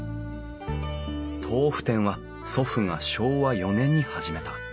豆腐店は祖父が昭和４年に始めた。